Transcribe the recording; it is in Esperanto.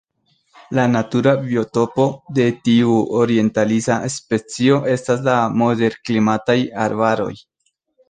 La natura biotopo de tiu orientalisa specio estas la moderklimataj arbaroj.